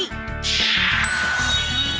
สวัสดีครับ